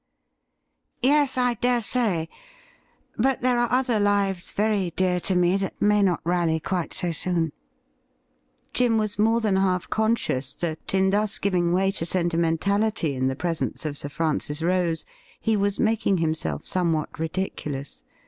' Yes, I dare say ; but there are other lives very dear to me that may not rally quite so soon.' Jim was more than half conscious that, in thus giving way to sentimentality in the presence of Sir Francis Rose, he was making himself somewhat ridiculous.